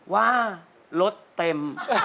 ว่ารถเต็ม